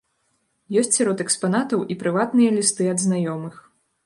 Ёсць сярод экспанатаў і прыватныя лісты ад знаёмых.